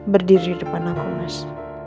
berdiri di depan aku mas